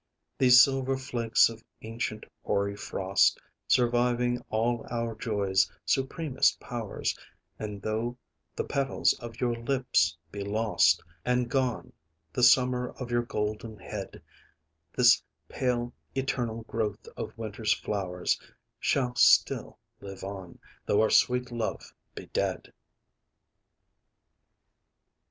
These silver flakes of ancient hoary frost, Surviving all our joys' supremest powers, And though the petals of your lips be lost And gone the summer of your golden head, This pale eternal growth of winter's flowers Shall still live on though our sweet love be dead.